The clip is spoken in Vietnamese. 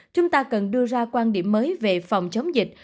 chúng ta cần đưa ra quan điểm mới về phòng chống dịch